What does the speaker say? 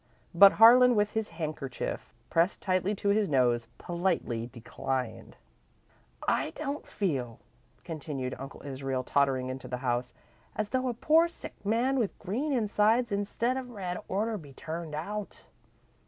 But Harlan, with his handkerchief pressed tightly to his nose, politely declined. "I don't feel," continued Uncle Israel, tottering into the house, "as though a poor, sick man with green insides instead of red orter be turned out.